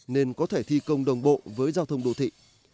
nên có thể thi công đồng bộ với giao thông đô thị